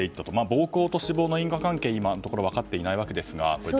暴行と死亡の因果関係は今のところ分かっていませんが。